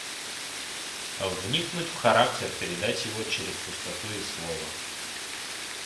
Вникнуть в характер, передать его через пустоту и слова.